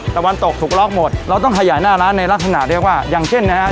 ตะวันตกถูกล็อกหมดเราต้องขยายหน้าร้านในลักษณะเรียกว่าอย่างเช่นนะครับ